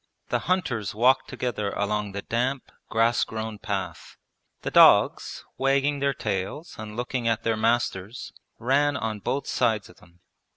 The hunters walked together along the damp, grass grown path. The dogs, wagging their tails and looking at their masters, ran on both sides of them.